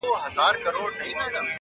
په یوه کي احساسوو